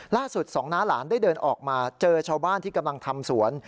สองน้าหลานได้เดินออกมาเจอชาวบ้านที่กำลังทำสวน